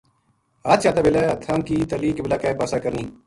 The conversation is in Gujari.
ہتھ چاتے بلے ہتھاں کی تلی قبلے کے پاسے کرنی۔